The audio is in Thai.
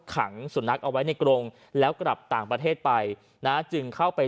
ขังสุนัขเอาไว้ในกรงแล้วกลับต่างประเทศไปนะจึงเข้าไป